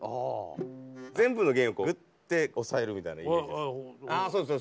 全部の弦をぐって押さえるみたいなイメージです。